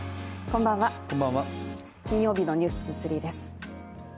こんばんは、金曜日の「ｎｅｗｓ２３」です。